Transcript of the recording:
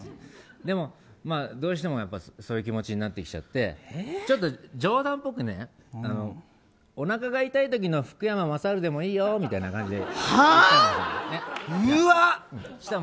でも、どうしてもそういう気持ちになってきちゃってちょっと冗談っぽくおなかが痛い時の福山雅治でもいいよみたいな感じで言ったの。